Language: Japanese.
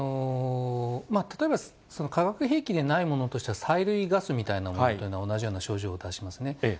例えば、化学兵器でないものとしては、催涙ガスみたいなものというのは同じような症状を出しますね。